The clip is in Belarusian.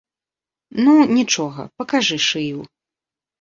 Ну, нічога, пакажы шыю.